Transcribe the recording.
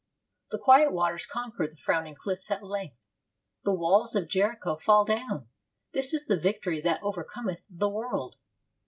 The quiet waters conquer the frowning cliffs at length. The walls of Jericho fall down. This is the victory that overcometh the world.